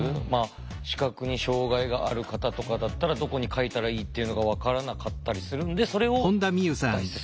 視覚に障害がある方とかだったらどこに書いたらいいっていうのが分からなかったりするんでそれを代筆する。